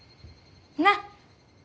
なっ！